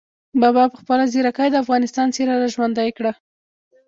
بابا په خپله ځیرکۍ د افغانستان څېره را ژوندۍ کړه.